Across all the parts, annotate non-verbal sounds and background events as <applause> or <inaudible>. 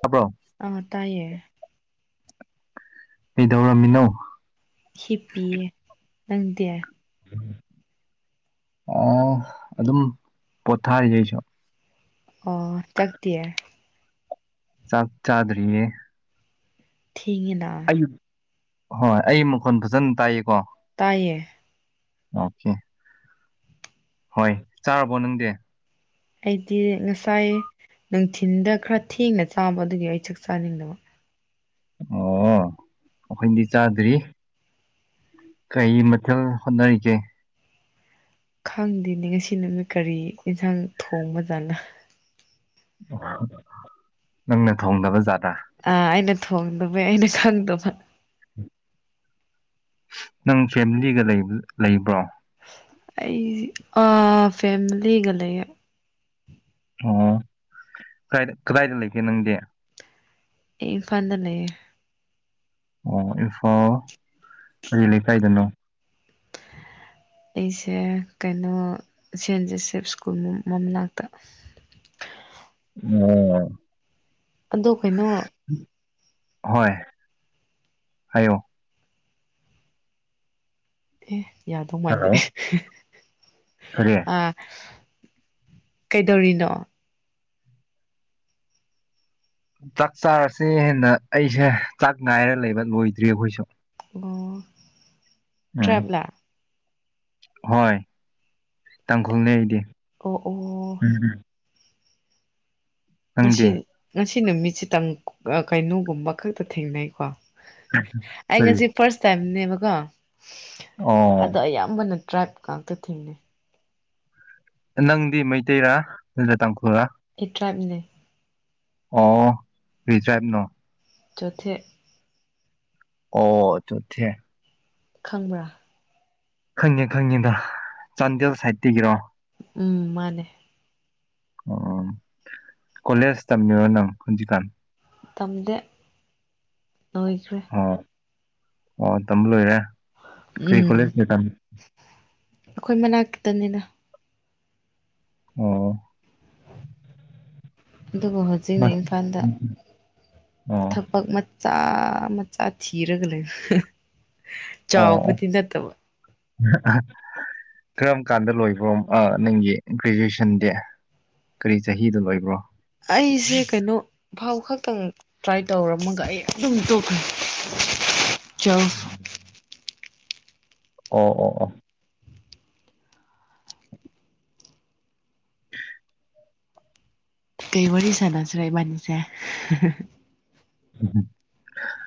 ꯇꯥꯕ꯭ꯔꯣ ꯑꯥ ꯇꯥꯏꯌꯦ ꯀꯩꯗꯧꯔꯝꯃꯤꯅꯣ? ꯍꯤꯞꯄꯤꯌꯦ꯫ ꯅꯪꯗꯤ? ꯎꯝ ꯑꯣ ꯑꯗꯨꯝ ꯄꯣꯊꯥꯔꯤꯑꯦ ꯑꯩꯁꯨ ꯑꯣ ꯆꯥꯛꯇꯤ꯫ ꯆꯥꯛ ꯆꯥꯗꯔꯤꯌꯦ ꯊꯦꯡꯉꯦꯅꯥ ꯍꯣꯏ ꯑꯩ ꯃꯈꯣꯟ ꯐꯖꯅ ꯇꯥꯏꯌꯦꯀꯣ? ꯇꯥꯏꯌꯦ ꯑꯣꯀꯦ꯫ ꯍꯣꯏ ꯆꯥꯔꯕꯣ ꯅꯪꯗꯤ? ꯑꯩꯗꯤ ꯉꯁꯥꯏ ꯅꯨꯡꯊꯤꯤꯟꯗ ꯈꯔ ꯊꯦꯡꯅ ꯆꯥꯕ ꯑꯗꯨꯒꯤ ꯑꯩ ꯆꯥꯛ ꯆꯥꯅꯤꯡꯗꯕ ꯑꯣ ꯑꯩꯈꯣꯏꯗꯤ ꯆꯥꯗ꯭ꯔꯤ ꯀꯩ ꯃꯊꯦꯜ ꯍꯣꯠꯅꯔꯤꯒꯦ ꯈꯪꯗꯦꯅꯤ ꯉꯁꯤ ꯅꯨꯃꯤꯠ ꯀꯔꯤ ꯑꯦꯟꯁꯥꯡ ꯊꯣꯡꯕꯖꯥꯠꯅ ꯅꯪꯅ ꯊꯣꯡꯗꯅꯕ ꯖꯥꯗꯥ ꯑꯥ ꯑꯩꯅ ꯊꯣꯡꯗꯕ ꯑꯩꯅ ꯈꯪꯗꯕ ꯅꯪ ꯐꯦꯃꯤꯂꯤꯒ ꯂꯩꯕ꯭ꯔꯣ ꯑꯩ ꯑ ꯐꯦꯃꯤꯂꯤꯒ ꯂꯩ ꯑꯣ ꯀ ꯀꯗꯥꯏꯗ ꯂꯩꯒꯦ ꯅꯪꯗꯤ ꯏ ꯐꯥꯟꯗ ꯂꯩꯌꯦ ꯑꯣ ꯏꯝꯐꯥꯜ ꯀꯔꯤ ꯂꯩꯀꯥꯏꯗꯅꯣ ꯑꯩꯁꯦ ꯀꯩꯅꯣ ꯁꯦꯟ ꯖꯣꯁꯦꯐ ꯁ꯭ꯀꯨꯜ ꯃꯅꯥꯛꯇ ꯑꯣꯝ ꯑꯗꯣ ꯀꯩꯅꯣ ꯍꯣꯏ ꯍꯥꯏꯣ ꯍ ꯌꯥꯗꯧ ꯃꯥꯟꯗꯦ ꯍꯜꯂꯣ ꯀꯔꯤ ꯑ ꯀꯩꯗꯧꯔꯤꯅꯣ ꯆꯥꯛ ꯆꯥꯔꯁ ꯍꯦꯟꯅ ꯑꯩꯁꯦ ꯆꯥꯛ ꯉꯥꯏꯔ ꯂꯩꯕ ꯂꯣꯏꯗ꯭ꯔꯦ ꯑꯩꯈꯣꯏꯁꯨ ꯑꯣ ꯎꯝ ꯇ꯭ꯔꯦꯚꯂꯔ ꯍꯣꯏ ꯇꯥꯡꯈꯨꯜꯅꯦ ꯑꯩꯗꯤ ꯑꯣ ꯑꯣ ꯎꯝ ꯎꯝ ꯉꯁꯤ ꯅꯪꯗꯤ ꯉꯁꯤ ꯁꯤ ꯅꯨꯃꯤꯠꯁꯤꯇꯪ ꯀꯩꯅꯣꯒꯨꯝꯕ ꯈꯛꯇ ꯊꯦꯡꯅꯩꯀꯣ ꯐꯔꯤ ꯅꯦꯕꯒ ꯑꯗꯣ ꯑꯌꯥꯝꯕꯅ ꯇ꯭ꯔꯥꯏꯞ ꯉꯥꯛꯇ ꯊꯦꯡꯅꯩ ꯅꯪꯗꯤ ꯃꯩꯇꯩꯔꯥ ꯅ ꯇꯥꯡꯈꯨꯣꯔꯥ ꯇ꯭ꯔꯥꯅꯦ ꯑꯣ ꯔꯤꯖ꯭ꯔꯥꯏꯕꯅ ꯆꯣꯊꯠ ꯑꯣ ꯆꯣꯊꯦ ꯈꯪꯕ꯭ꯔꯥ ꯈꯪꯉꯦ ꯈꯪꯉꯦꯗ ꯆꯥꯟꯗꯦꯜ ꯁꯥꯏꯠꯇꯒꯤꯔꯣ ꯎꯝ ꯃꯥꯅꯦ ꯎ ꯀꯣꯂꯦꯖ ꯇꯝꯃꯤꯔꯣ ꯅꯪ ꯍꯧꯟꯖꯤꯀꯥꯟ ꯇꯝꯗꯦ ꯅꯣꯏꯈ꯭ꯔꯦ ꯑꯣ ꯑꯣ ꯇꯝꯕ ꯂꯣꯏꯔꯦ ꯀꯩ ꯎꯝ ꯀꯣꯂꯦꯖ ꯅꯇꯥꯝ ꯑꯩꯈꯣꯏ ꯃꯅꯥꯛ ꯇꯅꯤꯅ ꯑꯣ ꯑꯗꯨꯕꯨ ꯍꯧꯖꯤꯛꯅ ꯏꯝꯐꯥꯜꯗ ꯑꯣ ꯊꯕꯛ ꯃꯆꯥ ꯑ ꯃꯆꯥ ꯊꯤꯔꯒ ꯂꯩꯕ ꯑꯣ ꯆꯥꯎꯕꯗꯤ ꯅꯠꯇꯕ ꯀꯔꯝ ꯀꯥꯟꯗ ꯂꯣꯏꯕ꯭ꯔꯣ ꯅꯪꯒꯤ ꯒ꯭ꯔꯦꯖꯨꯑꯦꯁꯟꯗꯤ ꯀꯔꯤ ꯆꯍꯤꯗꯣ ꯂꯣꯏꯕ꯭ꯔꯣ ꯑꯩꯁꯦ ꯀꯩꯅꯣ ꯐꯧ ꯈꯛꯇꯪ ꯇ꯭ꯔꯥꯏ ꯇꯧꯔꯝꯃꯒ ꯑꯩ ꯑꯗꯨꯝ ꯇꯣꯛꯈ꯭ꯔꯦ ꯆꯥꯎ ꯑꯣ ꯑꯣ ꯑꯣ <inaudible> ꯀꯩ ꯋꯥꯔꯤ ꯁꯥꯟꯅꯁꯤꯔ ꯏꯕꯥꯅꯤꯁꯦ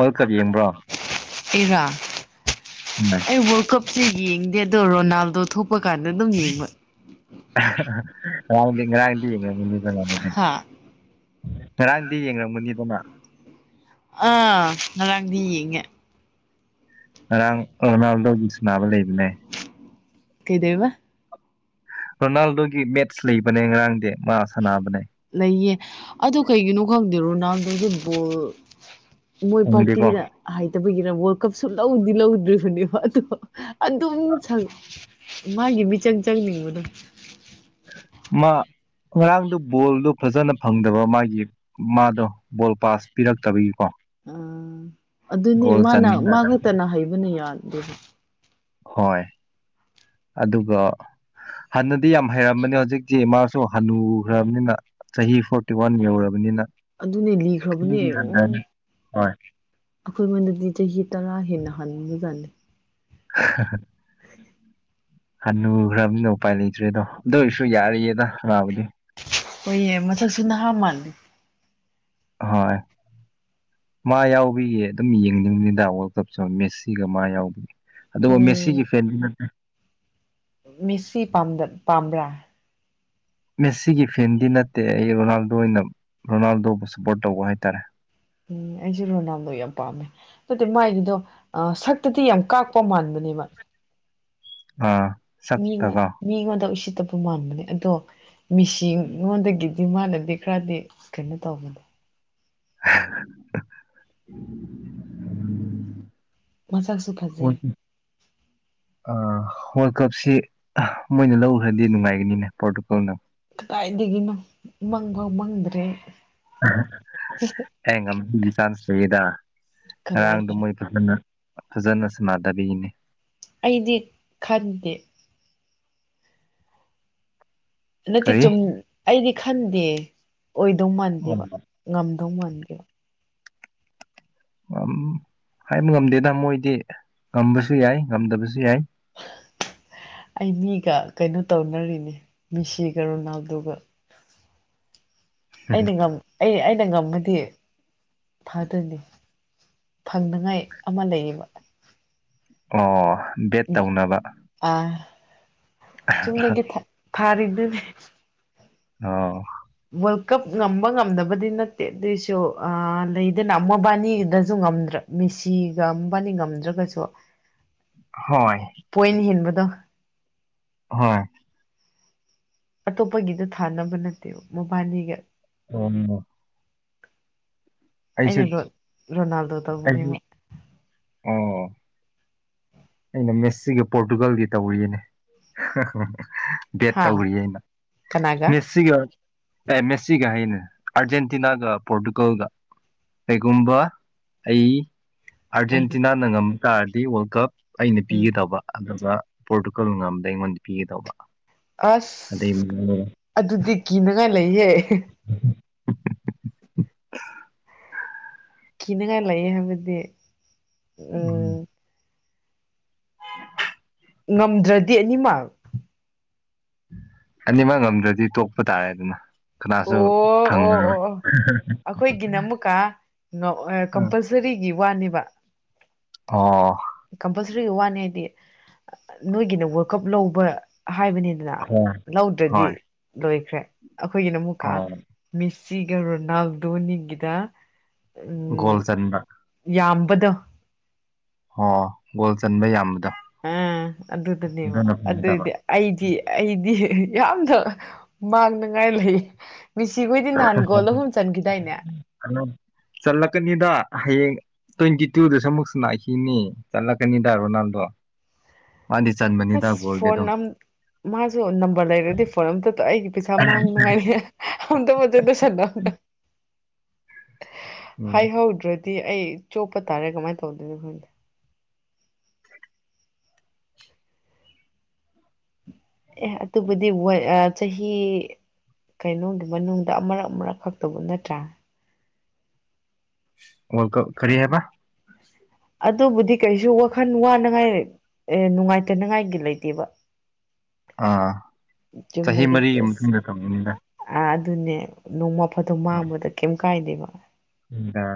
ꯑꯗꯨ ꯀꯔꯤ ꯌꯦꯡꯕ꯭ꯔꯣ ꯑꯩꯔꯥ ꯎꯝ ꯑꯩ ꯋꯥ꯭ꯔꯜ ꯀꯞ ꯁꯤ ꯌꯦꯡꯗꯦ ꯑꯗꯣ ꯔꯣꯅꯥꯜꯗꯣ ꯊꯣꯛꯄ ꯀꯥꯟꯗ ꯑꯗꯨꯝ ꯌꯦꯡꯕ <inaudible> <inaudible> ꯉꯔꯥꯡꯗꯤ ꯍꯥ ꯌꯦꯡꯉꯝꯒꯅꯤꯗꯅ ꯑ ꯉꯔꯥꯡꯗꯤ ꯌꯦꯡꯉꯦ ꯑꯔꯥꯡ ꯔꯣꯅꯥꯜꯗꯣꯒꯤ ꯁꯅꯥꯕ ꯂꯩꯕꯅꯦ ꯀꯩꯗꯩꯕ ꯔꯣꯅꯥꯜꯗꯣꯒꯤ ꯃꯦꯠꯁ ꯂꯩꯕꯅꯦ ꯉꯔꯥꯡꯗꯤ ꯃꯥ ꯁꯥꯟꯅꯕꯅꯦ ꯂꯩꯌꯦ ꯑꯗꯨ ꯀꯩꯒꯤꯅꯣ ꯈꯪꯗꯦ ꯔꯣꯅꯥꯜꯗꯣꯗꯨ ꯕꯣꯜ ꯃꯣꯏ ꯄꯔꯇꯤ ꯍꯥꯏ ꯈꯪꯗꯦꯀꯣ ꯅꯠꯇꯕꯒꯤꯔ ꯋꯥꯔꯜ ꯀꯞ ꯁꯨ ꯂꯧꯗꯤ ꯂꯧꯗ꯭ꯔꯤꯕꯅꯦꯕ ꯑꯗꯣ ꯑꯗꯨꯝ ꯁꯪ ꯃꯥꯒꯤ ꯃꯤꯆꯪ ꯆꯪꯅꯤꯡꯕꯗꯣ ꯃꯥ ꯉꯔꯥꯡꯗꯨ ꯕꯣꯜꯗꯣ ꯐꯖꯅ ꯐꯪꯗꯕ ꯃꯥꯒꯤ ꯃꯥꯗꯣ ꯕꯣꯜ ꯄꯥꯁ ꯄꯤꯔꯛꯇꯕꯒꯤꯀꯣ ꯎꯝ ꯑꯗꯨꯅꯤ ꯒꯣꯜ ꯃꯥꯅ ꯃꯥ ꯆꯟꯅꯤꯡꯗ ꯈꯛꯇꯅ ꯍꯩꯕꯅ ꯌꯥ <inaudible> ꯍꯣꯏ ꯑꯗꯨꯒ ꯍꯥꯟꯅꯗꯤ ꯌꯥꯝ ꯍꯩꯔꯝꯕꯅꯤ ꯍꯧꯖꯤꯛꯇꯤ ꯏꯃꯥꯁꯨ ꯍꯅꯨꯈ꯭ꯔꯕꯅꯤꯅ ꯆꯍꯤ ꯐꯣꯔꯇꯤ ꯋꯥꯟ ꯌꯧꯔꯕꯅꯤꯅ ꯑꯗꯨꯅꯦ ꯂꯤꯈ꯭ꯔꯕꯅꯦ ꯈꯤꯇꯪꯗꯤ ꯎ ꯍꯟꯊꯔꯅꯤ ꯍꯣꯏ ꯑꯩꯈꯣꯏ ꯃꯣꯟꯗꯗꯤ ꯆꯍꯤ ꯇꯔꯥ ꯍꯦꯟꯅ ꯍꯟꯕꯖꯠꯅꯦ ꯍꯟꯅꯨꯈ꯭ꯔꯕꯅꯤꯅ ꯎꯄꯥꯏ ꯂꯩꯇ꯭ꯔꯦꯗꯣ ꯑꯗꯨ ꯑꯣꯏꯔꯁꯨ ꯌꯥꯔꯤꯌꯦꯗ ꯁꯟꯅꯕꯗꯤ ꯍꯣꯏꯌꯦ ꯃꯁꯛꯁꯨ ꯅꯍꯥ ꯃꯥꯥꯜꯂꯤ ꯍꯣꯏ ꯃꯥ ꯌꯥꯎꯕꯤꯒꯤ ꯑꯗꯨꯝ ꯌꯦꯡꯅꯤꯡꯉꯦꯗ ꯋꯥꯔꯜ ꯀꯞꯁꯨ ꯃꯦꯁꯤꯒ ꯃꯥ ꯌꯥꯎꯕꯤꯒꯤ ꯑꯗꯨꯕꯨ ꯃꯦꯁꯤꯒꯤ ꯐꯦꯟꯗꯤ ꯅꯠꯇꯦ ꯃꯦꯁꯦ ꯄꯥꯝꯗ ꯄꯥꯝꯕ꯭ꯔꯥ ꯃꯦꯁꯤꯒꯤ ꯐꯦꯟꯗꯤ ꯅꯠꯇꯦ ꯑꯩ ꯔꯣꯅꯥꯜꯗꯣ ꯑꯣꯏꯅ ꯔꯣꯅꯥꯜꯗꯣꯕꯨ ꯁꯞꯄꯣꯔꯠ ꯇꯧꯕ ꯍꯥꯏꯇꯥꯔꯦ ꯎꯝ ꯑꯩꯁꯨ ꯔꯣꯅꯥꯜꯗꯣ ꯌꯥꯝ ꯄꯥꯝꯃꯦ ꯑꯗꯨꯗꯤ ꯃꯥꯒꯤꯗꯣ ꯁꯛꯇꯗꯤ ꯌꯥꯝ ꯀꯥꯛꯄ ꯃꯥꯟꯕꯅꯦꯕ ꯑꯥ ꯃꯤꯉꯣꯟ ꯁꯛꯇꯒ ꯃꯤꯉꯣꯟꯗ ꯎꯁꯤꯠ ꯇꯕ ꯃꯥꯟꯕꯅꯦ ꯑꯗꯣ ꯃꯤꯁꯤ ꯃꯉꯣꯟꯗꯒꯤ ꯃꯥꯟꯅꯗꯤ ꯈꯔꯗꯤ ꯀꯩꯅꯣ ꯇꯧꯕꯅꯦ <unintelligible> ꯍ ꯃꯁꯛꯁꯨ ꯐꯖꯩ ꯑ <unintelligible> ꯋꯥꯔꯜ ꯀꯞꯁꯤ ꯃꯣꯏꯅ ꯂꯧꯈ꯭ꯔꯗꯤ ꯅꯨꯡꯉꯥꯏꯒꯅꯤꯅꯦ ꯄꯣꯔꯇꯨꯀꯜꯅ ꯀꯥꯏꯗꯒꯤꯅ‌ꯣ ꯃꯪꯐꯥꯎ ꯃꯪꯗ꯭ꯔꯦ ꯍꯝ <unintelligible> ꯆꯥꯟꯁꯗ ꯥꯉꯔꯥꯡꯗ ꯀꯃꯥꯏꯅ ꯃ‌ꯣꯏ <unintelligible> ꯐꯖꯟꯅ ꯁꯟꯅꯗꯥꯕꯒꯤꯅꯦ ꯑꯩꯗꯤ ꯈꯟꯗꯦ ꯅꯠꯇ‌ꯦ ꯀꯔꯤ ꯆꯨꯝ ꯑꯩꯗꯤ ꯈꯟꯗꯦ ꯑꯣꯏꯗꯧ ꯃꯥꯟꯗꯦꯕ ꯉꯝ ꯗꯧ ꯋꯥꯟꯗ‌ꯦ ꯍꯥꯏꯕ ꯉꯝꯗꯦꯗ ꯃꯣꯏꯗꯤ ꯉꯝꯕꯁꯨ ꯌꯥꯏ ꯉꯝꯗꯕꯁꯨ ꯌꯥꯏ ꯑꯩ ꯃꯤꯒ ꯀꯩꯅꯣ ꯇꯧꯅꯔꯤꯅꯤ ꯃꯤꯁꯤꯒ ꯔꯣꯅꯥꯜꯗꯨꯒ ꯑꯩ ꯉꯝ ꯑꯩ <unintelligible> ꯑꯩꯅ ꯉꯝꯃꯗꯤ ꯐꯥꯗꯣꯏꯅꯤ ꯐꯪꯅꯉꯥꯏ ꯑꯃ ꯂꯩꯌꯦꯕ ꯑꯣ ꯕꯦꯠ ꯇꯧꯅꯕ ꯆꯨꯝ ꯌ‌ꯦꯡꯒ‌ꯦ ꯐꯠ ꯐꯔ‌ꯦ ꯗꯨꯅꯦ ꯑꯣ ꯋꯥꯔꯜ ꯀꯞ ꯉꯝꯕ ꯉꯝꯗꯕꯗꯤ ꯅꯠꯇꯦ ꯑꯗꯨꯏꯁꯨ ꯂꯩꯗꯅ ꯃꯕꯥꯅꯤꯗꯁꯨ ꯉꯝꯗ꯭ꯔꯥ ꯃꯤꯁꯤꯒ ꯃꯕꯥꯅꯤ ꯉꯝꯗ꯭ꯔꯒꯁꯨ ꯍꯣꯏ ꯄꯣꯏꯟ ꯍ‌ꯦꯟꯕ <unintelligible> ꯇ ꯍꯣꯏ ꯑꯇꯣꯞꯄꯒꯤꯗ ꯊꯥꯅꯕ ꯅꯠꯇꯦꯕ ꯃꯣꯕꯥꯅꯤꯒ ꯑꯣ ꯑꯩꯁꯨ ꯑꯩꯅ ꯔꯣꯅꯥꯜꯗꯣ ꯇꯧꯕꯅꯦꯕ ꯑꯩ ꯑꯣ ꯑꯩꯅ ꯃꯦꯁꯤꯒ ꯄꯣꯔꯇꯨꯒꯜꯒꯤ ꯇꯧꯔꯤꯅꯦ ꯕꯦꯠ ꯍꯥ ꯇꯧꯔꯤꯌꯦ ꯑꯩꯅ ꯀꯅꯥꯒ ꯃꯦꯁꯤꯒ ꯑꯦ ꯃꯦꯁꯤꯒ ꯍꯥꯏꯅꯦ ꯑꯥꯔꯖꯦꯟꯇꯤꯅꯥꯒ ꯄꯣꯔꯇꯨꯒꯜꯒ ꯀꯩꯒꯨꯝꯕ ꯑꯩ ꯎꯝ ꯑꯔꯖꯦꯟꯇꯤꯅꯥ ꯅꯪꯉꯝ ꯔꯗꯤ ꯋꯥꯔꯜ ꯀꯞ ꯑꯩꯅ ꯎꯝ ꯄꯤꯒꯗꯕ ꯑꯗꯨꯝ ꯑꯗꯨꯒ ꯄꯣꯔꯇꯨꯒꯜ ꯉꯝꯗ ꯑꯩꯉꯣꯟꯗ ꯄꯤꯒꯦ ꯇꯧꯕ ꯑꯁ ꯑꯗꯨꯗꯤ ꯀ ꯃꯒ ꯂꯩꯌꯦ ꯀꯤꯅꯤꯡꯉꯥꯏ ꯂꯩꯌꯦ ꯍꯥꯏꯕꯗꯤ ꯎꯝ <inaudible> ꯉꯝꯗ꯭ꯔꯗꯤ ꯑꯅꯤꯃꯛ ꯑꯅꯤꯃꯛ ꯉꯝꯗ꯭ꯔꯗꯤ ꯇꯣꯛꯄ ꯇꯥꯔꯦ ꯑꯗꯨꯅ ꯑꯣ ꯀꯅꯥꯁꯨ ꯑꯣ ꯑꯣ ꯐꯪꯉꯔꯣꯏ ꯑꯣ ꯑꯩꯈꯣꯏꯒꯤꯅ ꯑꯃꯨꯛꯀ ꯎꯝ. ꯀꯝꯄꯜꯁꯔꯤꯒꯤ ꯋꯥꯅꯤꯕ ꯑꯣ ꯀꯝꯄꯜꯁꯔꯤ ꯋꯥꯅꯤ ꯍꯥꯏꯗꯤ ꯅꯣꯏꯒꯤꯅ ꯋꯥꯔꯜ ꯀꯞ ꯂꯧꯕ ꯍꯥꯏꯕꯅꯤꯗꯅ ꯍꯣꯏ ꯂꯧꯗ꯭ꯔꯗꯤ ꯍꯣꯏ ꯂꯣꯏ ꯈ ꯑꯩꯈꯣꯏꯒꯤꯅ ꯑꯃꯨꯛꯀꯥ ꯑꯣ ꯃꯤꯁ ꯁꯤꯒ ꯔꯣꯅꯥꯜ ꯙꯣꯅꯤꯒꯗ ꯒꯣꯜ ꯆꯟꯗ ꯀꯗ ꯑꯣ ꯒꯣꯜ ꯆꯟꯕ ꯌꯥꯝꯕꯗꯣ ꯎꯝ ꯑꯗꯨꯗꯅꯦꯕ ꯑꯗꯨꯅ ꯐꯪꯒꯗꯕ ꯑꯗꯨꯗꯤ ꯑꯩꯗꯤ ꯑꯩꯗꯤ ꯌꯥꯝꯅ ꯃꯥꯡꯅꯉꯥꯏ ꯂꯩ ꯃꯤꯁꯤꯈꯣꯏꯗꯤ ꯅꯍꯥꯟꯒꯣꯜꯂꯍꯨꯝ ꯆꯟꯈꯤꯗꯥꯏꯅꯦ ꯆꯜꯂꯛꯀꯅꯤꯗ ꯍꯌꯦꯡ ꯇ꯭ꯋꯦꯟꯇꯤ ꯇꯨꯗꯁꯨ ꯑꯃꯨꯛ ꯁ ꯂꯛꯈꯤꯅꯤ ꯆꯠꯂꯛꯀꯅꯤꯗ ꯔꯣꯅꯥꯜꯗꯣ ꯃꯥꯗꯤ ꯆꯟꯕꯅꯤꯗ ꯍꯁ ꯒꯣꯜꯗꯤ ꯐꯣꯟ ꯑꯗꯨꯝ ꯑ ꯃꯥꯁꯨ ꯅꯝꯕꯔ ꯂꯩꯔꯗꯤ ꯐꯣꯟ ꯑꯝꯇ ꯑꯩꯒꯤ ꯄꯩꯁꯥꯃꯥꯡꯉ ꯃꯅꯨꯡꯉꯥꯏꯅꯤ ꯑꯃꯗ ꯃꯖꯦꯗ ꯁꯗꯥꯅ ꯎꯝ ꯍꯥꯏ ꯍꯗ꯭ꯔꯣ ꯁꯤ ꯑꯩ ꯆꯣꯞꯄ ꯇꯥꯔꯦ ꯀꯃꯥꯏꯅ ꯇꯧꯗꯣꯏꯅꯣ ꯑꯩꯈꯣꯏꯗ ꯑꯦ ꯑꯗꯨꯕꯨꯗꯤ ꯆꯍꯤ ꯀꯩꯅꯣꯒꯤ ꯃꯅꯨꯡꯗ ꯑꯃꯛ ꯑꯃꯛ ꯈꯛꯇꯕꯨ ꯅꯠꯇ꯭ꯔꯥ ꯑꯣ ꯀꯔꯤ ꯍꯥꯏꯦꯕ ꯑꯗꯨꯕꯨꯗꯤ ꯀꯩꯁꯨ ꯋꯥꯈꯜ ꯋꯥꯅꯉꯥꯏ ꯅꯨꯡꯉꯥꯏꯇꯅꯉꯥꯏꯒꯤ ꯂꯩꯇꯦꯕ ꯑꯥ ꯆꯍꯤ ꯆꯨꯝꯅꯒꯤ ꯃꯔꯤꯒꯤ ꯆꯦꯁ ꯃꯇꯨꯡꯟꯅ ꯇꯝꯃꯤꯅꯤꯅ ꯑꯥ ꯑꯗꯨꯅꯦ ꯅꯣꯡꯃ ꯐꯗꯣ ꯃꯥꯡꯕꯗ ꯀꯩꯝꯇ ꯀꯥꯏꯗꯦꯕ ꯎꯗ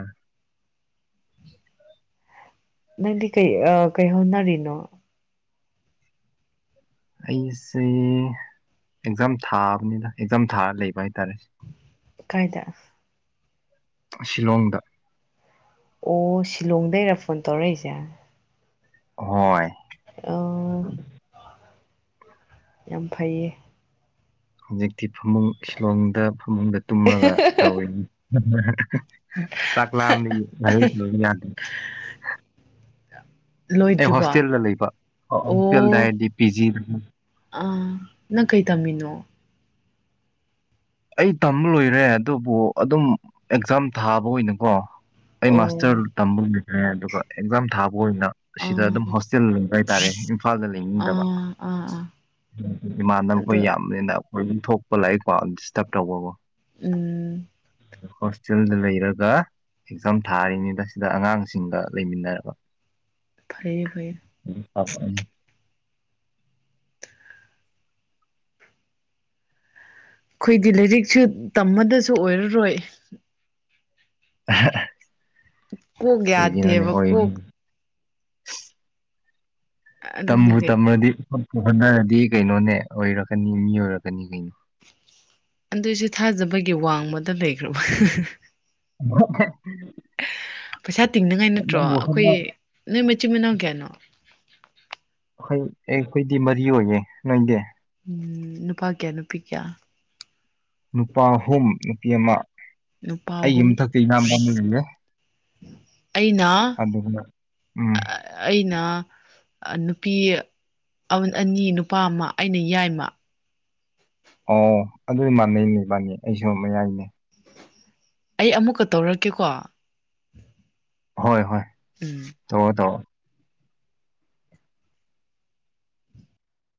ꯅꯪꯗꯤ ꯀꯩ ꯑ ꯀꯩ ꯍꯣꯅꯔꯤꯅꯣ ꯑꯩꯁꯦ ꯑꯦꯛꯖꯥꯝ ꯊꯥꯕꯅꯤꯅ ꯑꯦꯛꯖꯥꯝ ꯊꯥꯔ ꯂꯩꯕ ꯍꯥꯏꯇꯥꯔꯦ ꯀꯥꯏꯗ ꯁꯤꯂꯣꯡꯗ ꯑꯣ ꯁꯤꯂꯣꯡ ꯗꯩꯔ ꯐꯣꯟ ꯇꯧꯔꯛꯏꯁꯦ ꯍꯣꯏ ꯑꯣ ꯌꯥꯝ ꯐꯩꯌꯦ ꯍꯧꯖꯤꯛ ꯐꯃꯨꯡ ꯁꯤꯂꯣꯡꯗ ꯐꯃꯨꯡꯗ ꯇꯨꯝꯃꯒ ꯇꯧꯔꯤꯅꯤ <inaudible> ꯆꯥꯛꯂꯝ ꯍꯥꯏ ꯂ ꯑꯩ ꯂꯣꯏꯗ꯭ꯔꯤꯕꯣ ꯍꯣꯁꯇꯦꯜꯗ ꯂꯩꯕ ꯍꯣꯁꯇꯦꯜꯗ ꯑꯣ ꯍꯥꯏꯔꯗꯤ ꯄꯤ ꯖꯤꯗ ꯑꯥ ꯅꯪ ꯀꯩ ꯇꯝꯃꯤꯅꯣ ꯑꯩ ꯇꯝꯕ ꯂꯣꯏꯔꯦ ꯑꯗꯨꯕꯨ ꯑꯗꯨꯝ ꯑꯦꯛꯖꯥꯝ ꯊꯥꯕ ꯑꯣꯏꯅꯀꯣ ꯑꯩ ꯃꯥꯁꯇꯔ ꯑꯣ ꯇꯝꯕ ꯍ ꯑꯦꯒꯖꯥꯝ ꯊꯥ ꯑꯣꯏꯅ ꯁꯤꯗ ꯑꯥ ꯑꯗꯨꯝ ꯍꯣꯁꯇꯦꯜ ꯂꯩꯕ ꯍꯥꯏꯇꯥꯔꯦ ꯏꯝꯐꯥꯜꯗ ꯂꯩꯅꯤꯡꯗꯕ ꯑꯥ ꯑꯥ ꯑꯥ ꯏꯃꯥꯟꯅꯕ ꯈꯣꯏ ꯑꯗꯣ ꯌꯥꯝꯕꯅꯤꯅ ꯑꯗꯨꯝ ꯊꯣꯛꯄ ꯂꯥꯏꯔꯤꯛ ꯄꯥꯕ ꯇꯞ ꯇꯧꯕꯕꯣ ꯎꯝ ꯁꯛꯆꯨꯋꯦꯜꯗ ꯂꯩꯔꯒ ꯑꯦꯛꯖꯥꯝ ꯊꯥꯔꯤꯅꯤꯗ ꯁꯤꯗ ꯑꯉꯥꯡꯁꯤꯡꯒ ꯂꯩꯃꯤꯟꯅꯔꯕ ꯐꯩꯌꯦ ꯐꯩꯌꯦ ꯑꯩꯈꯣꯏꯗꯤ ꯂꯥꯏꯔꯤꯛꯁꯨ ꯇꯝꯃꯗꯁꯨ ꯑꯣꯏꯔꯔꯣꯏ <inaudible> ꯀꯩꯒꯤꯅꯣꯅꯦ ꯌꯥꯗꯦꯕ ꯑꯣꯏ ꯀꯣꯛ ꯑꯗꯨꯅ ꯇꯝꯕꯨ ꯀꯩ ꯇꯝꯃꯗꯤ ꯍꯣꯠꯅꯔꯗꯤ ꯀꯩꯅꯣꯅꯦ ꯑꯣꯏꯔꯛꯀꯅꯤ ꯃꯤ ꯑꯣꯏꯔꯛꯀꯅꯤ ꯀꯩꯅꯣ ꯑꯗꯨꯏꯁꯨ ꯊꯥꯖꯕꯒꯤ ꯋꯥꯡꯃꯗ ꯂꯩꯈ꯭ꯔꯕ ꯍ ꯄꯩꯁꯥ ꯇꯤꯡꯅꯤꯉꯥꯏ ꯅꯠꯇ꯭ꯔꯣ ꯅꯪꯕꯨ ꯑꯩꯈꯣꯏ ꯍꯣꯠꯅ ꯅꯣꯏ ꯃꯆꯤꯟ ꯃꯅꯥꯎ ꯀꯌꯥꯅꯣ ꯑꯈꯣꯏ ꯑꯦ ꯑꯩꯈꯣꯏꯗꯤ ꯃꯔꯤ ꯑꯣꯏꯌꯦ ꯅꯣꯏꯗꯤ ꯎꯝ ꯅꯨꯄꯥ ꯀꯌꯥ ꯅꯨꯄꯤ ꯀꯌꯥ ꯅꯨꯄꯥ ꯑꯍꯨꯝ ꯅꯨꯄꯤ ꯑꯃ ꯅꯨꯄꯥ ꯑꯩ ꯑꯍꯨꯝ ꯌꯨꯝꯊꯛꯇ ꯏꯌꯥꯝꯕ ꯑꯃ ꯂꯩꯌꯦ ꯑꯩꯅ ꯑꯗꯨꯒ ꯎꯝ ꯑꯩꯅ ꯅꯨꯄꯤ ꯑꯅꯤ ꯅꯨꯄꯥ ꯑꯃ ꯑꯩꯅ ꯌꯥꯏꯃ ꯑꯣ ꯑꯗꯨꯗꯤ ꯃꯥꯟꯅꯩꯅꯦ ꯏꯕꯥꯅꯤ ꯑꯩꯁꯨ ꯃꯌꯥꯏꯅꯦ ꯑꯩ ꯑꯃꯨꯛꯀ ꯇꯧꯔꯛꯀꯦꯀꯣ ꯍꯣꯏ ꯍꯣꯏ ꯎꯝ ꯇꯧꯔꯣ ꯇꯧꯔꯣ